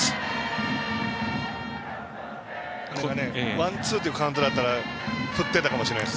ワンツーというカウントなら今振っていたかもしれません。